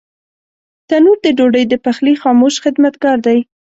تنور د ډوډۍ د پخلي خاموش خدمتګار دی